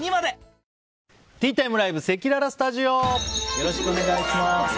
よろしくお願いします。